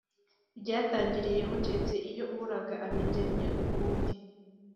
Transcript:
ryatangiriyeho keretse iyo uraga abigennye ukundi